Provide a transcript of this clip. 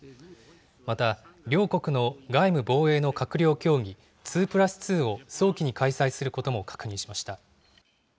また、両国の外務・防衛の閣僚協議、２プラス２を早期に開催することも確認しました。